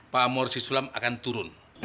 pak amor si sulam akan turun